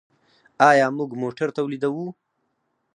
آیا موږ موټر تولیدوو؟